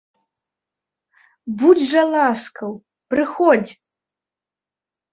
Будзь жа ласкаў, прыходзь.